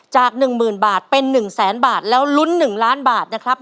จากหนึ่งหมื่นบาทเป็นหนึ่งแสนบาทแล้วลุ้นหนึ่งล้านบาทนะครับ